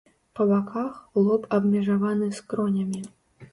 Па баках лоб абмежаваны скронямі.